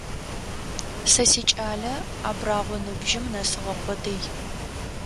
Сэ сикӏалэ абрагъуэ ныбжьым нэсыгъэ къодый.